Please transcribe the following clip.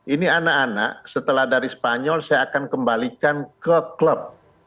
ini anak anak setelah dari spanyol saya akan kembalikan ke klub